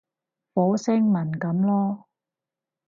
火星文噉囉